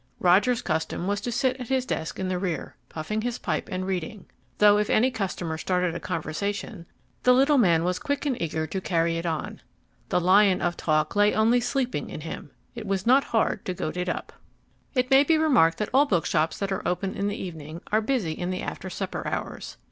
Roger's custom was to sit at his desk in the rear, puffing his pipe and reading; though if any customer started a conversation, the little man was quick and eager to carry it on. The lion of talk lay only sleeping in him; it was not hard to goad it up. It may be remarked that all bookshops that are open in the evening are busy in the after supper hours.